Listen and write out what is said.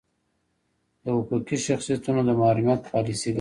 د حقوقي شخصیتونو د محرومیت پالیسي ګانې.